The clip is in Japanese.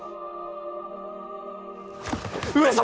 上様！